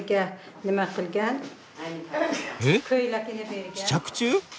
え試着中？